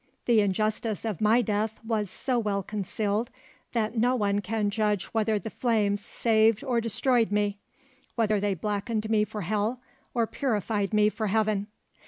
The injustice of my death was so well concealed That no one can judge whether the flames saved or destroyed me; Whether they blackened me for hell, or purified me for heaven.